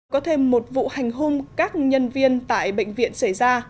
có thêm một vụ hành hung các nhân viên tại bệnh viện xảy ra